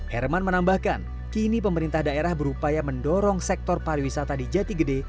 herman menambahkan kini pemerintah daerah berupaya mendorong sektor pariwisata di jati gede